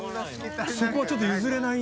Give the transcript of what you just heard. そこはちょっと譲れない。